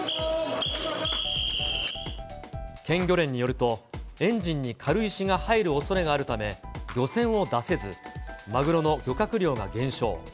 県漁連によると、エンジンに軽石が入るおそれがあるため、漁船を出せず、マグロの漁獲量が減少。